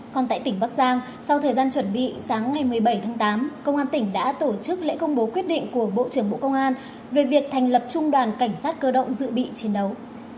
còn tại tỉnh bắc giang sau thời gian chuẩn bị sáng ngày một mươi bảy tháng tám công an tỉnh đã tổ chức lễ công bố quyết định của bộ trưởng bộ công an về việc thành lập trung đoàn cảnh sát cơ động dự bị chiến đấu